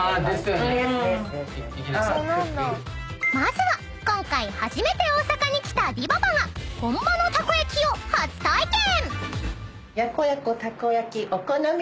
［まずは今回初めて大阪に来たでぃばばが本場のたこ焼きを初体験！］